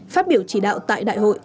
phát biểu chỉ đạo tại đại hội